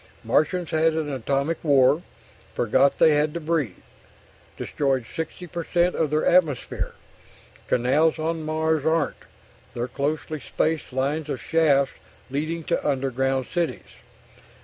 Martians had an atomic war forgot they had to breathe ... destroyed 60 per cent of their atmosphere ... canals on Mars aren't ... they're closely spaced line of shafts leading to underground cities